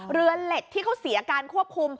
เรือเหล็กที่เขาเสียการควบคุม